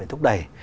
để thúc đẩy